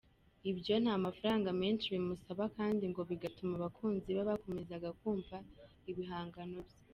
Ibyo nta mafaranga menshi bimusaba kandi ngo bigatuma abakunzi be bakomeza kumva ibihangano bye.